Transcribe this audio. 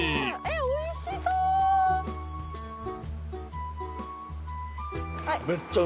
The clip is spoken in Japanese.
おいしそう。